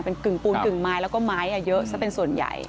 เป็นกึ่งปูนกึ่งไม้แล้วก็ไม้เยอะซะเป็นส่วนใหญ่